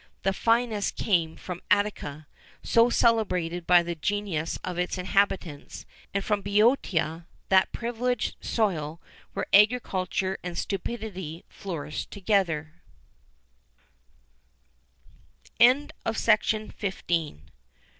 The finest came from Attica, so celebrated by the genius of its inhabitants; and from Bœotia,[XIV 48] that privileged soil, where agriculture and stupidity flourished together.